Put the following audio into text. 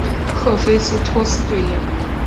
赫菲斯托斯对应。